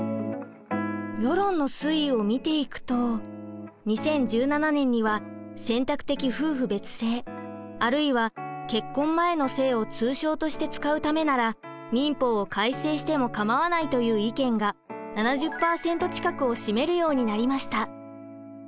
世論の推移を見ていくと２０１７年には選択的夫婦別姓あるいは結婚前の姓を通称として使うためなら民法を改正しても構わないという意見が７０％近くを占めるようになりました。